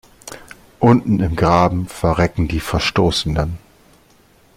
Unten im Graben verrecken die Verstoßenen.